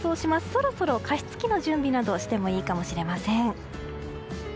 そろそろ加湿器の準備などしてもいいかもしれません。